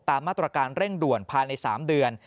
ตามมาตรการเร่งด่วนภายใน๓เดือน